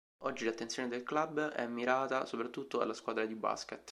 Oggi l'attenzione del club è mirata soprattutto alla squadra di basket.